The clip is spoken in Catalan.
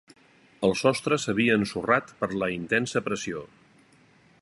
El sostre s'havia ensorrat per la intensa pressió.